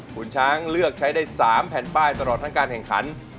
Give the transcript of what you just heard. คุณช้างเลือกใช้ได้๓แผ่นป้ายตลอดทั้งการแข่งขัน